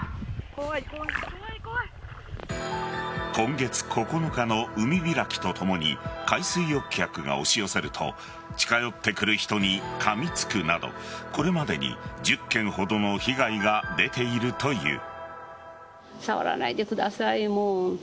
今月９日の海開きとともに海水浴客が押し寄せると近寄ってくる人にかみつくなどこれまでに１０件ほどの被害が出ているという。